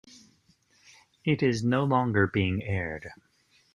It is no longer being aired.